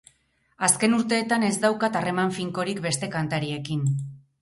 Azken urteetan ez daukat harreman finkorik beste kantariekin.